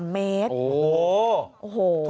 ๓เมตร